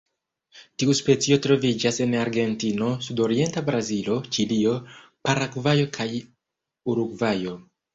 Tiu specio troviĝas en Argentino, sudorienta Brazilo, Ĉilio, Paragvajo kaj Urugvajo.